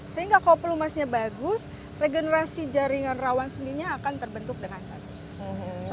sehingga kalau pelumasnya bagus regenerasi jaringan rawan sendinya akan terbentuk dengan bagus